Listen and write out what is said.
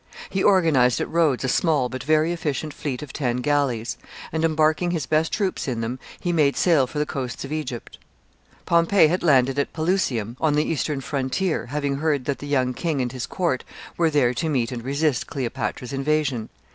He organized at Rhodes a small but very efficient fleet of ten galleys, and, embarking his best troops in them, he made sail for the coasts of Egypt. Pompey had landed at Pelusium, on the eastern frontier, having heard that the young king and his court were there to meet and resist Cleopatra's invasion.